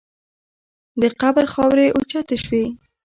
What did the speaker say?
د قبر خاورې اوچتې شوې.